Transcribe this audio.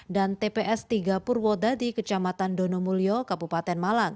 dan tps tiga purwoda di kecamatan donomulyo kabupaten malang